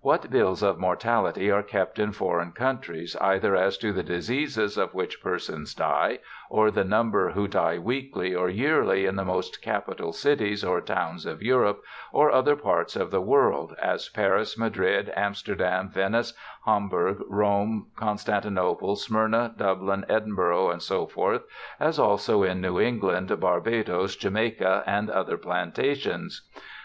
What bills of mortality are kept in foreign coun tries, either as to the diseases of which persons die, or the number who die w^eekly or yearly in the most capital cities or towns of Europe or other parts of the world, as Paris, Madrid, Amsterdam, Venice, Hamburg, Rome, Constantinople, Smyrna, Dublin, Edinburgh, &c., as also in New England, Barbadoes, Jamaica, and other Plantations.